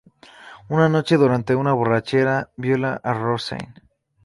Una noche, durante una borrachera, viola a Roseanne.